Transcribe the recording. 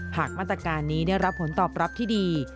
หากมาตรการนี้ได้รับผลตอบรับที่ดี